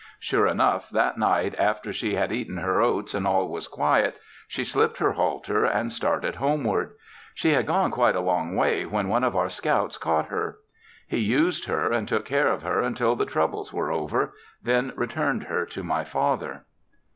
Sure enough that night after she had eaten her oats and all was quiet she slipped her halter and started homeward. She had gone quite a long way when one of our scouts caught her. He used her and took care of her until the troubles were over, then returned her to my father.